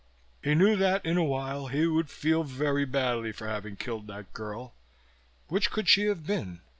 He knew that in a while he would feel very badly for having killed that girl (which could she have been?